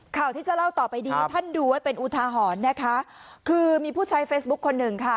ข่าวที่จะเล่าต่อไปนี้ท่านดูไว้เป็นอุทาหรณ์นะคะคือมีผู้ใช้เฟซบุ๊คคนหนึ่งค่ะ